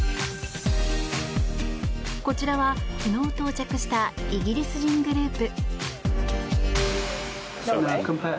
こちらは、昨日到着したイギリス人グループ。